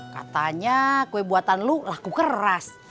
katanya kue buatan lu laku keras